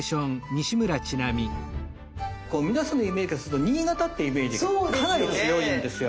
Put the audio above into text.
皆さんのイメージからすると新潟ってイメージがかなり強いんですよ。